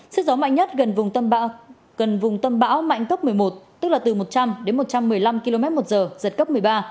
sức gió mạnh nhất vùng gần tâm bão mạnh cấp một mươi một tức là từ một trăm linh đến một trăm một mươi năm km một giờ giật cấp một mươi ba